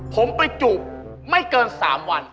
ผมไปจูบไม่เกิน๓วัน